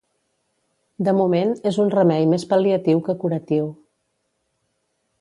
De moment, és un remei més pal·liatiu que curatiu.